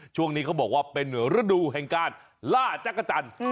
ช่วงนี้เขาบอกว่าเป็นฤดูแห่งการล่าจักรจันทร์